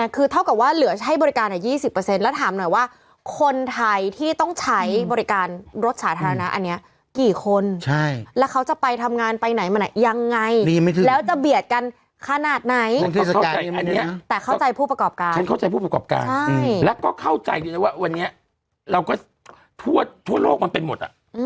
คือเท่ากับว่าเหลือให้บริการเนี้ยยี่สิบเปอร์เซ็นต์แล้วถามหน่อยว่าคนไทยที่ต้องใช้บริการรถสาธารณะอันเนี้ยกี่คนใช่แล้วเขาจะไปทำงานไปไหนมันไหนยังไงมีไม่ขึ้นแล้วจะเบียดกันขนาดไหนแต่เข้าใจผู้ประกอบการฉันเข้าใจผู้ประกอบการใช่แล้วก็เข้าใจว่าวันนี้เราก็ทั่วทั่วโลกมันเป็นหมดอ